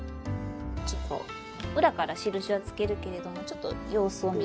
裏から印はつけるけれどもちょっと様子を見るのに。